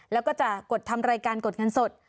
แล้วก็จะกดทำรายการกดเงินสด